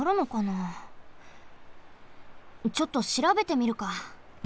ちょっとしらべてみるか。